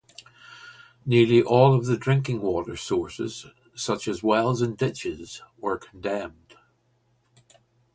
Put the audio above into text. Nearly all of the drinking water sources such as wells and ditches were condemned.